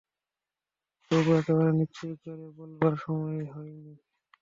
তবু একেবারে নিশ্চয় করে বলবার সময় হয় নি।